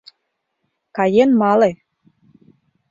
Каен мале.